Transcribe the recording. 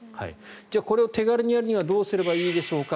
じゃあ、これを手軽にやるにはどうしたらいいでしょうか。